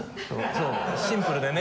そうシンプルでね。